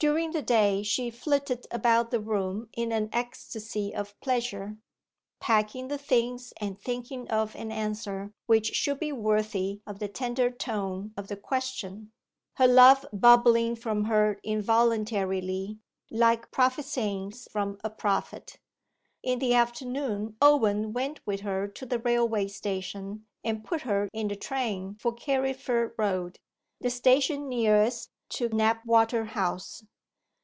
During the day she flitted about the room in an ecstasy of pleasure, packing the things and thinking of an answer which should be worthy of the tender tone of the question, her love bubbling from her involuntarily, like prophesyings from a prophet. In the afternoon Owen went with her to the railway station, and put her in the train for Carriford Road, the station nearest to Knapwater House.